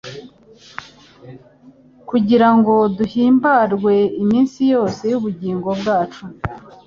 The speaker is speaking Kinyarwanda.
kugira ngo duhimbarwe iminsi yose y’ubugingo bwacu